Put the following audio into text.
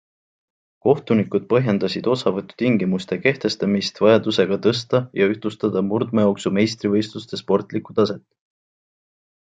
Kohtunikud põhjendasid osavõtutingimuste kehtestamist vajadusega tõsta ja ühtlustada murdmaajooksu meistrivõistluste sportlikku taset.